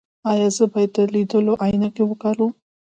ایا زه باید د لیدلو عینکې وکاروم؟